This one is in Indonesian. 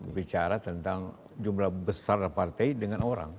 bicara tentang jumlah besar partai dengan orang